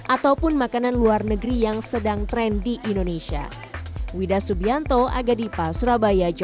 ataupun makanan luar negeri yang sedang tren di indonesia